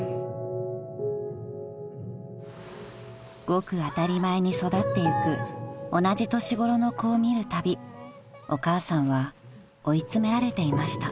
［ごく当たり前に育っていく同じ年頃の子を見るたびお母さんは追い詰められていました］